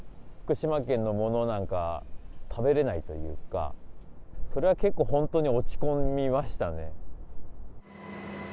福島県のものなんか食べれないというか、それは結構、本当に落ち込みましたね。